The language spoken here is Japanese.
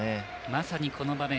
まさにこの場面